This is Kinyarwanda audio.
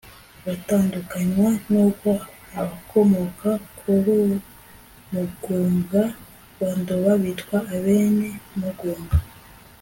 batandukanwa n'uko abakomoka kuru mugunga wa ndoba bitwa abene mugunga